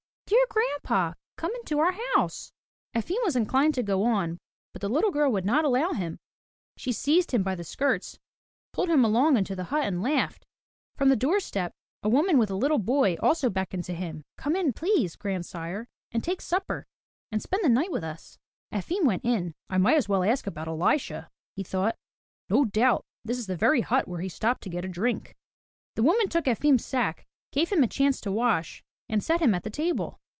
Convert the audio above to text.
Dear Grandpa! Come into our house!'' Efim was inclined to go on, but the little girl would not allow him. She seized him by the skirts, pulled him along into the hut and laughed. From the doorstep a woman with a little boy also beckoned to him. Come in, please, grand sire, — and take supper and spend the night with us.'* Efim went in. *'I may as well ask about Elisha,'' he thought. "No doubt this is the very hut where he stopped to get a drink." The woman took Efim's sack, gave him a chance to wash, and set him at the table.